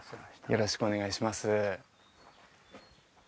よろしくお願いします